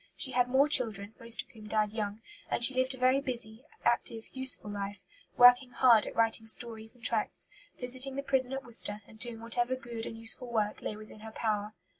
She had more children, most of whom died young; and she lived a very busy, active, useful life, working hard at writing stories and tracts, visiting the prison at Worcester, and doing whatever good and useful work lay within her power.